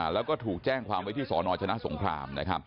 แล้วก็ถูกแจ้งความไว้ที่สนชนะสงคราม